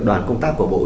đoàn công tác của bọn tôi